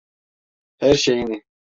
Her şeyini.